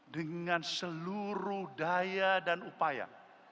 dengan seluruh daya dan upaya